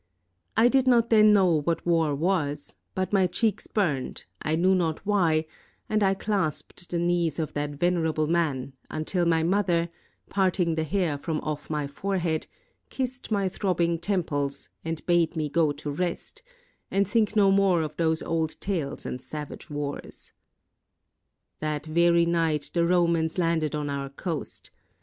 I did not then know what war was; but my cheeks burned, I knew not why, and I clasped the knees of that venerable man, un til my mother, parting the hair from off my forehead, kissed my throbbing temples, and bade me go to rest, and think no more of those old tales and savage wars. That very night the Romans landed on our coast.